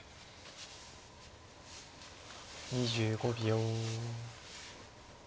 ２５秒。